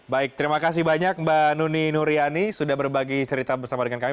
baik terima kasih banyak mbak nuni nuriani sudah berbagi cerita bersama dengan kami